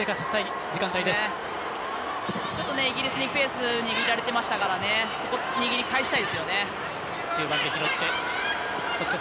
イギリスにペースを握られていましたからここ、握り返したいですよね。